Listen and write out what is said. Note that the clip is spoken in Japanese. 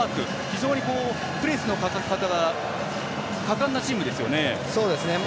非常にプレスのかけ方が果敢なチームですよね。